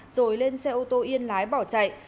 rồi lên xe ô tô yên lái bỏ chạy